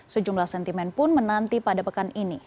sejumlah sentimen pun menanti pada pekan ini